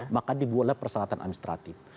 maka dibuat oleh persoalan administratif